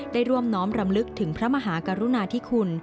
ได้ร่วมน้อมรำลึกถึงพระมหากรุณาธิคุณ